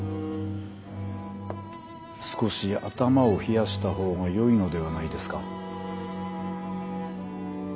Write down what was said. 少し頭を冷やしたほうがよいのではないですか？